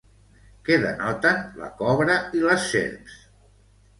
Què denoten la cobra i les serps?